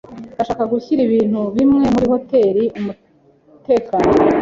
Ndashaka gushyira ibintu bimwe muri hoteri umutekano.